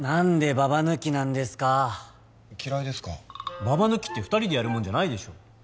ババ抜きって二人でやるもんじゃないでしょ